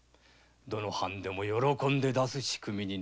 どの藩も喜んで出す仕組みです。